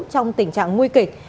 trong tình trạng nguy kịch